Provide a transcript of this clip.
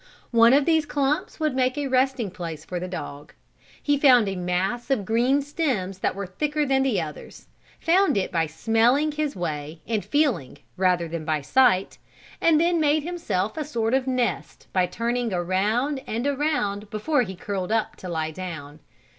One of these clumps would make a resting place for the dog. He found a mass of green stems that were thicker than the others, found it by smelling his way and feeling, rather than by sight, and then made himself a sort of nest, by turning around and around before he curled up to lie down.